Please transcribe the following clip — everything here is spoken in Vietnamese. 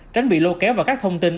tránh bị lô kéo vào các thông tin